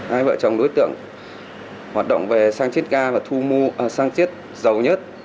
hai vợ chồng đối tượng hoạt động về sáng chết ga và thu mua sáng chết dầu nhất